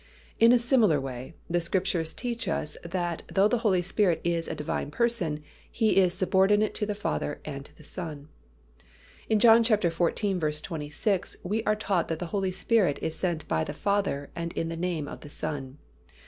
In a similar way, the Scriptures teach us that though the Holy Spirit is a Divine Person, He is subordinate to the Father and to the Son. In John xiv. 26, we are taught that the Holy Spirit is sent by the Father and in the name of the Son.